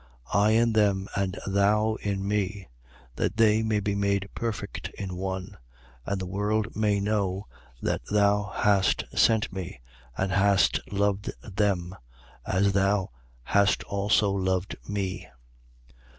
17:23. I in them, and thou in me: that they may be made perfect in one: and the world may know that thou hast sent me and hast loved them, as thou hast also loved me.